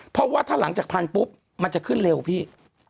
เพราะว่าถ้าหลังจากพันปุ๊บมันจะขึ้นเร็วพี่